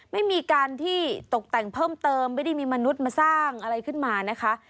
ไม่มีการที่ตกแต่งเพิ่มเติมไม่ได้มีมนุษย์มาสร้างอะไรขึ้นมานะคะ